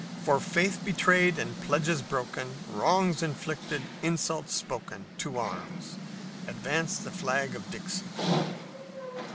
For faith betrayed, and pledges broken, Wrongs inflicted, insults spoken To arms! Advance the flag of Dixie."